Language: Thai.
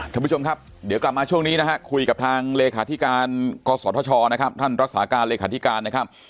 ท่านผู้ชมครับเดี๋ยวกลับมาช่วงนี้นะฮะคุยกับทางเลขาธิการกศธชนะครับท่านรักษาการเลขาธิการนะครับ